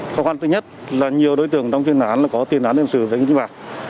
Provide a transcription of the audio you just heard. khó khăn thứ nhất là nhiều đối tượng trong tiền đoán có tiền đoán đem xử với những bà